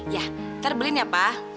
ya ntar beliin ya pa